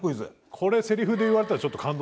これセリフで言われたらちょっと感動。